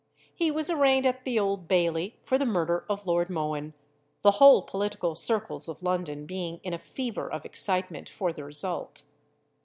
He was arraigned at the old Bailey for the murder of Lord Mohun, the whole political circles of London being in a fever of excitement for the result.